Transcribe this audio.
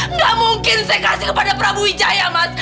nggak mungkin saya kasih kepada prabu wijaya mas